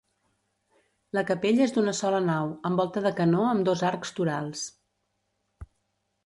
La capella és d'una sola nau amb volta de canó amb dos arcs torals.